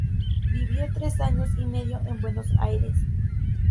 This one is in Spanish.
Vivió tres años y medio en Buenos Aires.